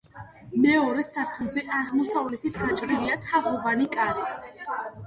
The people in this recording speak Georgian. მეორე სართულზე აღმოსავლეთით გაჭრილია თაღოვანი კარი.